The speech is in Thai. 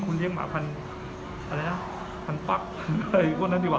คุณเลี้ยงหมาพันธุ์อะไรนะพันปั๊บอะไรพวกนั้นดีกว่า